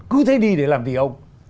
cứ thế đi để làm gì ông